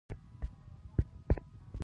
دغو اطلاعاتو اندېښنه پیدا کړه.